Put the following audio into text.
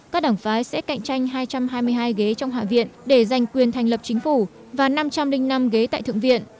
các đảng phái sẽ cạnh tranh hai trăm hai mươi hai ghế trong hạ viện để giành quyền thành lập chính phủ và năm trăm linh năm ghế tại thượng viện